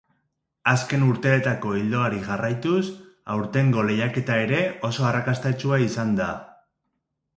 Azken urteetako ildoari jarraituz, aurtengo lehiaketa ere oso arrakastatsua izan da.